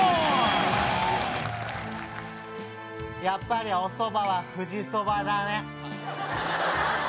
やっぱりおそばは富士そばだね